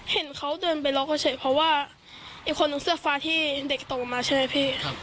เห็นเขาเดินไปล็อกเขาเฉยเพราะว่าอีกคนนึงเสื้อฟ้าที่เด็กโตมาใช่ไหมพี่